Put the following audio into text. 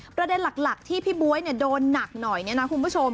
ประเด็นหลักที่พี่บ๊วยโดนหนักหน่อยเนี่ยนะคุณผู้ชม